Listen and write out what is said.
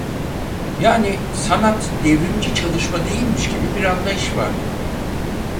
Yani sanat devrimci çalışma değilmiş gibi bir anlayış vardı.